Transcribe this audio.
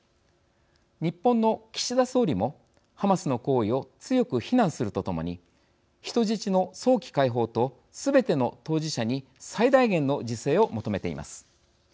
日本の岸田総理もハマスの行為を強く非難するとともに人質の早期解放とすべての当事者に最大限の自制を求めています。